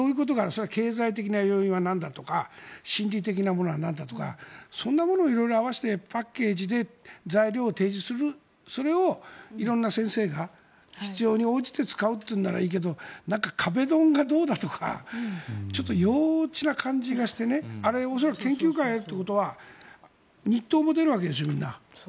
それは経済的な要因はなんだとか心理的なものはなんだとかそんなものを色々合わせてパッケージで材料を提示するそれを色んな先生が必要に応じて使うというならいいけどなんか壁ドンがどうだとかちょっと幼稚な感じがしてあれは恐らく研究会ってことは日当も出るわけですよみんな。